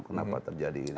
kenapa terjadi ini